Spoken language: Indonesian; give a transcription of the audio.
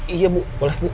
iya bu boleh bu